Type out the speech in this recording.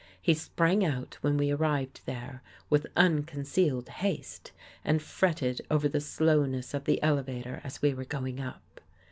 He sprang out, when we arrived there, with unconcealed haste, and fretted over the slowness of the elevator as we were going up.